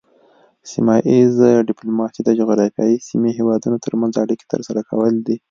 سیمه ایز ډیپلوماسي د جغرافیایي سیمې هیوادونو ترمنځ اړیکې ترسره کول دي